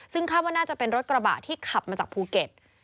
ซึ่งคาดว่าน่าจะเป็นรถกระบะที่ขับมาจากภูเก็ต